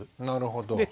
なるほど。